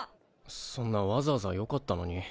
そんなわざわざよかったのに。